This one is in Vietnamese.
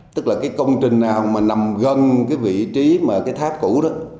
tức là cái công trình nào mà nằm gần cái vị trí mà cái tháp cũ đó